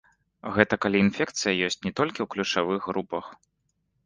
Гэта калі інфекцыя ёсць не толькі ў ключавых групах.